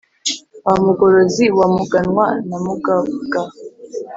wa mugorozi wa muganwa na mugabwa,